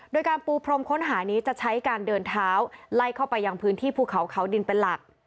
โดยการปูพรมค้นหานี้จะใช้การเดินเท้าไล่เข้าไปยังพื้นที่ภูเขาเขาดินเป็นหลัก